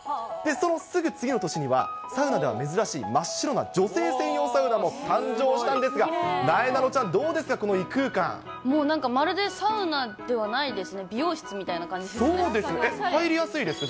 そのすぐ次の年にはサウナでは珍しい真っ白な女性専用サウナも誕生したんですが、なえなのちゃん、もうなんかまるでサウナではないですね、そうですよね、入りやすいですか？